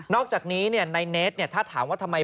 อกจากนี้ในเนสถ้าถามว่าทำไม